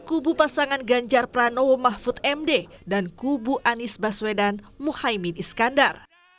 kubu pasangan ganjar pranowo mahfud md dan kubu anies baswedan muhaymin iskandar